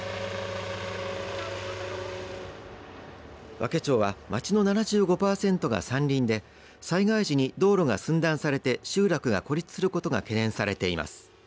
和気町は町の７５パーセントが山林で災害時に道路が寸断されて集落が孤立することが懸念されています。